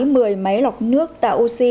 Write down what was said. một mươi máy lọc nước tạo oxy